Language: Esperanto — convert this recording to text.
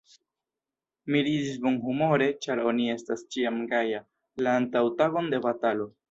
Mi ridis bonhumore, ĉar oni estas ĉiam gaja, la antaŭtagon de batalo.